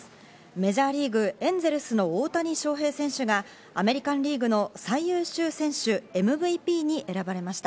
メジャーリーグ、エンゼルスの大谷翔平選手がアメリカン・リーグの最優秀選手、ＭＶＰに選ばれました。